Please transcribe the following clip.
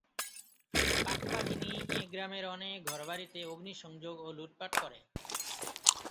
পাকবাহিনী এ গ্রামের অনেক ঘরবাড়িতে অগ্নিসংযোগ ও লুটপাট করে।